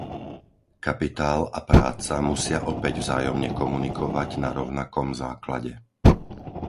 Kapitál a práca musia opäť vzájomne komunikovať na rovnakom základe.